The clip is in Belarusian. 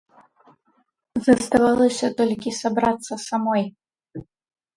Заставалася толькі сабрацца самой.